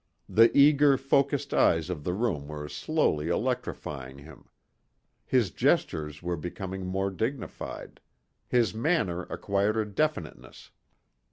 The eager, focussed eyes of the room were slowly electrifying him. His gestures were becoming more dignified. His manner acquired a definiteness.